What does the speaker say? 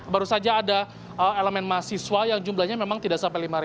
baru saja ada elemen mahasiswa yang jumlahnya memang tidak sampai lima